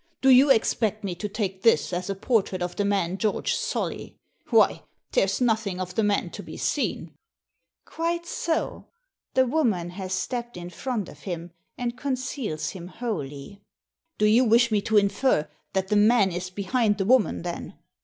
Do you expect me to take this as a portrait of the man George Solly? Why, there's nothing of the man to be seen !"Quite so — the, woman has stepped in front of him, and conceals him wholly." " Do you wish me to infer that the man is behind the woman then